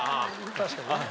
確かにね。